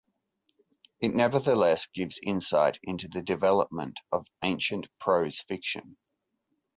It nevertheless gives insight into the development of ancient prose fiction.